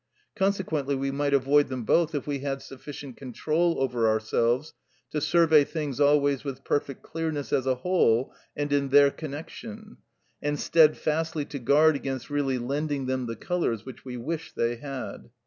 Consequently we might avoid them both if we had sufficient control over ourselves to survey things always with perfect clearness as a whole and in their connection, and steadfastly to guard against really lending them the colours which we wish they had.